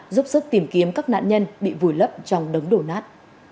giúp sức tìm kiếm các nạn nhân bị vùi lấp trong đống đổ nát